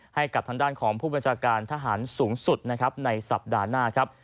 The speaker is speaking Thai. ให้กับทางด้านของผู้บัญชาการทหารสูงสุดนะครับในสัปดาห์หน้าครับ